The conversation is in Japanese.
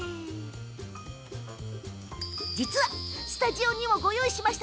実はスタジオにもご用意しました。